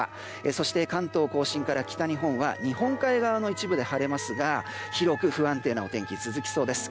そして関東・甲信から北日本は日本海側の一部で晴れますが広く不安定なお天気が続きそうです。